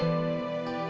ibu sama bapak becengek